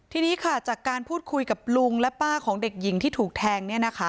ทีนี้ค่ะจากการพูดคุยกับลุงและป้าของเด็กหญิงที่ถูกแทง